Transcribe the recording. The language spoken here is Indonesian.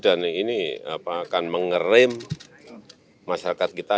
dan ini akan mengerim masyarakat kita